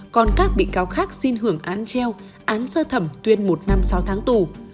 còn các bị cáo khác xin hưởng án treo án sơ thẩm tuyên một năm sáu tháng tù